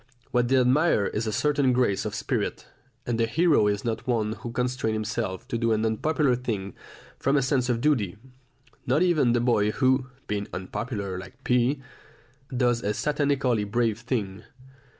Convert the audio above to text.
What they admire is a certain grace and spirit, and the hero is not one who constrains himself to do an unpopular thing from a sense of duty, not even the boy who, being unpopular like P , does a satanically brave thing.